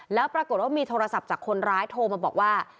แล้วปรากฏว่ามีโทรศัพท์จากคนร้ายโทรมาบอกว่า